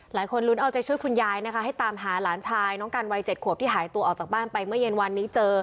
หลายคนลุ้นเอาใจช่วยคุณยายนะคะให้ตามหาหลานชายน้องกันวัย๗ขวบที่หายตัวออกจากบ้านไปเมื่อเย็นวันนี้เจอ